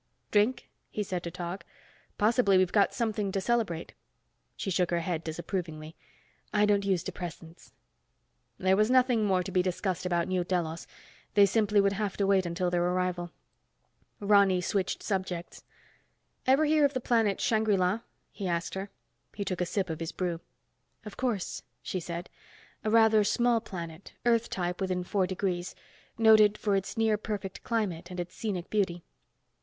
"Drink?" he said to Tog. "Possibly we've got something to celebrate." She shook her head disapprovingly. "I don't use depressants." There was nothing more to be discussed about New Delos, they simply would have to wait until their arrival. Ronny switched subjects. "Ever hear of the planet Shangri La?" he asked her. He took a sip of his brew. "Of course," she said. "A rather small planet, Earth type within four degrees. Noted for its near perfect climate and its scenic beauty."